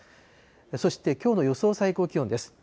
そしてきょうの予想最高気温です。